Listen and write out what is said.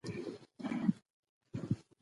خیر محمد په ډېرې ناهیلۍ سره د سړک غاړې ته ودرېد.